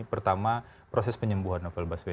pertama proses penyembuhan novel baswedan